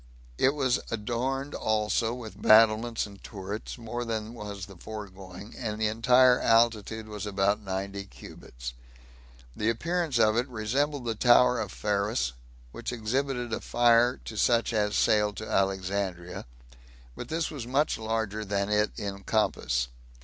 It was also adorned with battlements and turrets, more than was the foregoing, and the entire altitude was about ninety cubits; the appearance of it resembled the tower of Pharus, which exhibited a fire to such as sailed to Alexandria, but was much larger than it in compass.